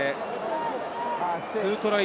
２トライ